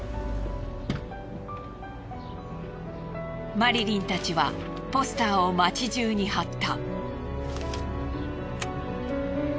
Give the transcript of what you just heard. マリリンたちはポスターを街中に貼った。